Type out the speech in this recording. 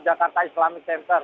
di jakarta islamic center